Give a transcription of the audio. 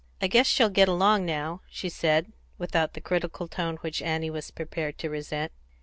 "I guess she'll get along now," she said, without the critical tone which Annie was prepared to resent.